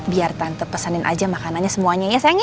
biar tante pesenin aja makanannya semuanya ya sayang ya